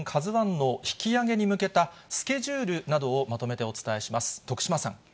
ＫＡＺＵＩの引き揚げに向けたスケジュールなどをまとめてお伝えします。